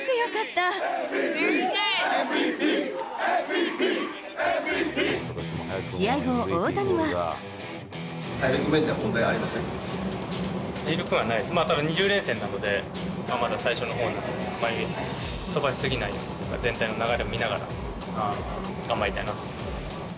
ただ２０連戦なので、まだ最初のほうなので、飛ばし過ぎないように、全体の流れを見ながら、頑張りたいなと思います。